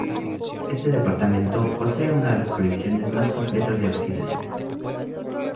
Este departamento posee una de las colecciones más completas de Occidente.